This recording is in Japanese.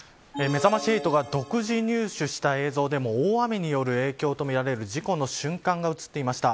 めざまし８が独自入手した映像でも大雨による影響とみられる事故の瞬間が映っていました。